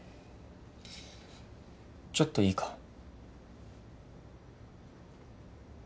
ちょっといいか？